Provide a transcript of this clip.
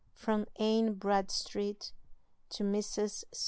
FROM ANNE BRADSTREET TO MRS.